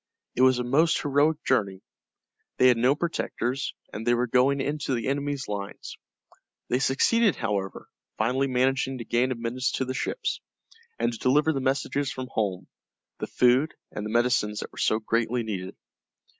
It was a most heroic journey. They had no protectors, and they were going into the enemy's lines. They succeeded, however, finally managing to gain admittance to the ships, and to deliver the messages from home, the food, and the medicines that were so greatly needed.